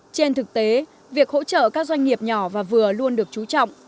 trên thực tế việc hỗ trợ các doanh nghiệp nhỏ và vừa luôn được chú trọng